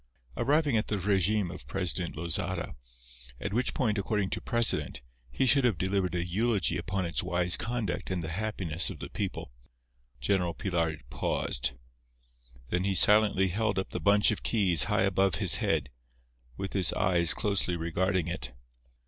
Arriving at the régime of President Losada, at which point, according to precedent, he should have delivered a eulogy upon its wise conduct and the happiness of the people, General Pilar paused. Then he silently held up the bunch of keys high above his head, with his eyes closely regarding it.